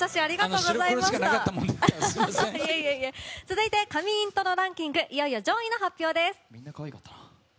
続いて、神イントロランキングいよいよ上位の発表です。